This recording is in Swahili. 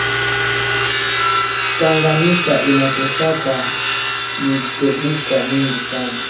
Tanganika inatoshaka mikebuka mingi sana